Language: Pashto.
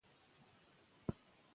زده کوونکي باید هڅاند وي.